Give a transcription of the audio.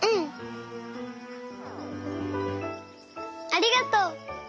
ありがとう。